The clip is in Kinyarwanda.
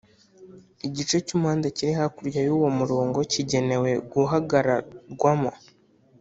Igice cy'umuhanda kiri hakurya y'uwo murongo kigenewe guhagararwamo